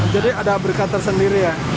jadi ada berkat tersendiri ya